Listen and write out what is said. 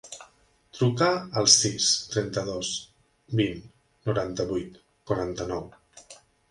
Truca al sis, trenta-dos, vint, noranta-vuit, quaranta-nou.